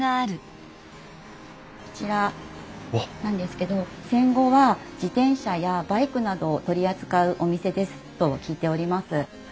こちらなんですけど戦後は自転車やバイクなどを取り扱うお店ですと聞いております。